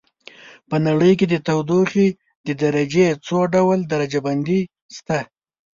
په نړۍ کې د تودوخې د درجې څو ډول درجه بندي شته.